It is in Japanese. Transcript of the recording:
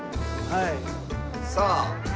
はい。